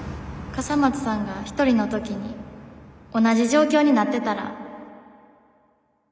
笠松さんが一人の時に同じ状況になってたら追いかけた？